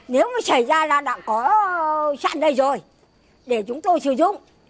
nếu mà xảy ra là đã có chặn đây rồi để chúng tôi sử dụng